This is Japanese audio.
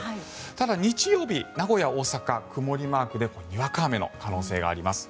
ただ、日曜日名古屋、大阪、曇りマークでにわか雨の可能性があります。